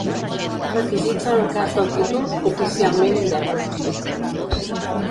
Requisits en el cas del títol "oficialment indemne"